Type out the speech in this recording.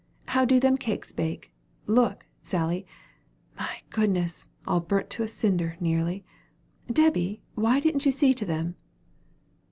How do them cakes bake? look, Sally. My goodness! all burnt to a cinder, nearly. Debby, why didn't you see to them?"